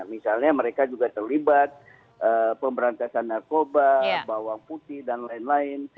misalnya mereka juga terlibat pemberantasan narkoba bawang putih dan lain lain